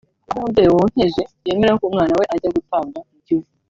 aho umubyeyi wonkeje yemera ko umwana we ajya gutabwa mu Kivu